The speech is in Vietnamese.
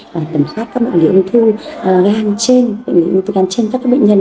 và tầm soát các bệnh lý uống thư gan trên các bệnh nhân